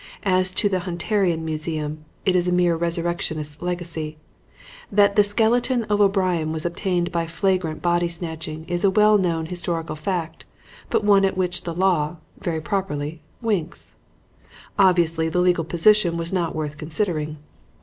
As to the Hunterian Museum, it is a mere resurrectionist's legacy. That the skeleton of O'Brian was obtained by flagrant body snatching is a well known historical fact, but one at which the law, very properly, winks. Obviously the legal position was not worth considering.